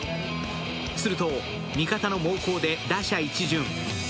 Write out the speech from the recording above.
すると、味方の猛攻で打者一巡。